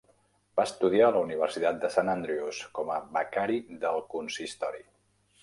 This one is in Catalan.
Va estudiar a la Universitat de Saint Andrews com a "becari del consistori".